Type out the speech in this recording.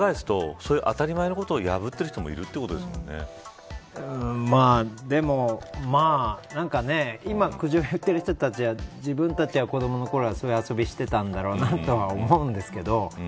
裏返すと、そういう当たり前のことを破ってる人もでも、今苦情を言っている人たちは自分たちが子どものときはそういう遊びしていたんだろうなと思うんですけど。